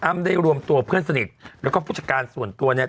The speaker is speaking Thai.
ได้รวมตัวเพื่อนสนิทแล้วก็ผู้จัดการส่วนตัวเนี่ย